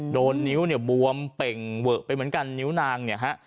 โดนนิ้วเนี่ยบวมเป่งเวอะไปเหมือนกันนิ้วนางเนี่ยฮะ